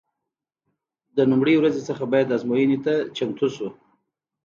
د لومړۍ ورځې څخه باید ازموینې ته چمتو شو.